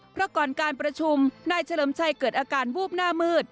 เพราะก่อนการประชุมนายเฉลิมชัยเกิดอาการวูบหน้ามืด